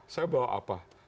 saya bau apa